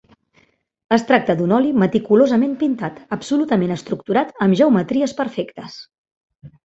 Es tracta d’un oli meticulosament pintat, absolutament estructurat amb geometries perfectes.